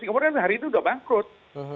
singapore island hari itu sudah bangkrut